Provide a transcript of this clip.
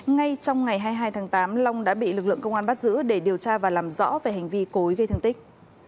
ngay trong ngày hai mươi hai tháng tám long đã bị lực lượng công an bắt giữ để điều tra và làm rõ về hành vi cố ý gây thương tích